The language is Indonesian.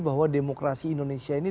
bahwa demokrasi indonesia ini